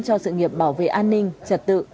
cho sự nghiệp bảo vệ an ninh trật tự